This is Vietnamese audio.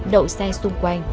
đậu xe xung quanh